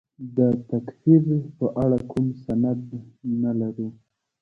د تکفیر په اړه کوم سند نه لرو.